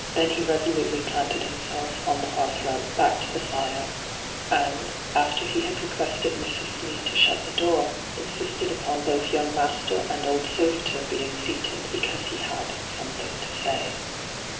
Then he resolutely planted himself on the D,gt,, 6rtbyGOOglC ENTRAPPED 37 hearthrug, back to the fire, and, after he had requested Mrs. Slee to shut the door, insisted upon both young master and old servitor being seated, because he had 'something to say.'